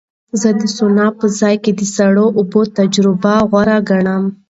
زه د سونا په ځای د سړو اوبو تجربه غوره ګڼم.